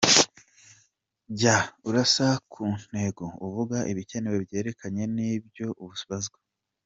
Jya urasa ku ntego uvuga ibikenewe byerekeranye n’ibyo ubazwa.